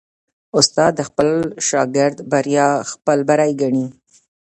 استاد د خپل شاګرد بریا خپل بری ګڼي.